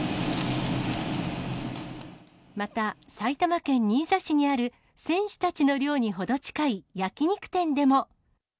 また、埼玉県新座市にある選手たちの寮にほど近い焼き肉店でも。